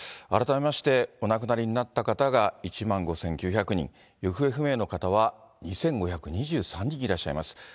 改めまして、お亡くなりになった方が１万５９００人、行方不明の方は２５２３人いらっしゃいます。